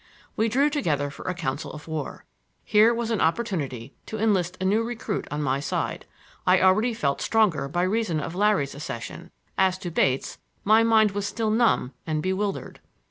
We drew together for a council of war. Here was an opportunity to enlist a new recruit on my side. I already felt stronger by reason of Larry's accession; as to Bates, my mind was still numb and bewildered.